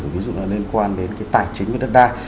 ví dụ là liên quan đến cái tài chính về đất đai